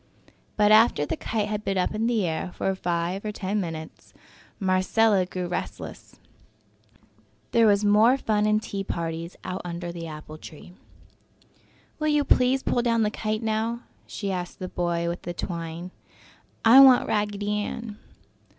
But after the kite had been up in the air for five or ten minutes, Marcella grew restless. Kites were rather tiresome. There was more fun in tea parties out under the apple tree. "Will you please pull down the kite now?" she asked the boy with the twine. "I want Raggedy Ann."